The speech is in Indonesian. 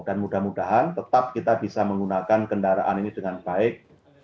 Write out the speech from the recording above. dan mudah mudahan tetap kita bisa menggunakan kendaraan ini dengan baik